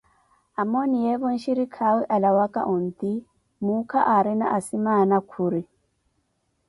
Amooniyeevo nxhirikhawe alawaka onti, muukha aarina asimaana khuri.